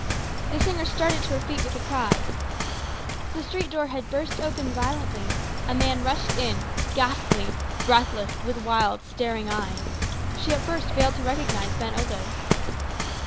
The singer started to her feet with a cry. The street door had burst open violently, a man rushed in, ghastly, breathless, with wild staring eyes; she at first failed to recognize Ben Obed.